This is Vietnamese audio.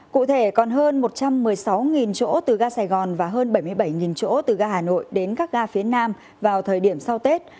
cụ thể còn hơn một trăm một mươi sáu chỗ từ ga sài gòn và hơn bảy mươi bảy chỗ từ ga hà nội đến các ga phía nam vào thời điểm sau tết